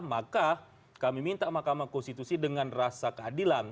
maka kami minta mahkamah konstitusi dengan rasa keadilan